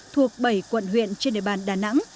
thuộc bảy quận huyện trên đề bàn đà nẵng